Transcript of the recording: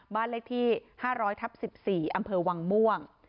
บ้านเลขที่๕๐๐ทับ๑๔อำเภอวังม่วง